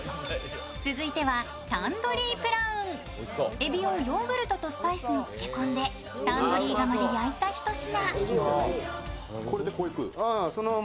えびをヨーグルトとスパイスにつけ込んでタンドリー窯で焼いたひと品。